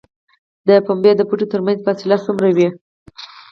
د پنبې د بوټو ترمنځ فاصله څومره وي؟